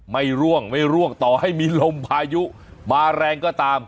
ร่วงไม่ร่วงต่อให้มีลมพายุมาแรงก็ตาม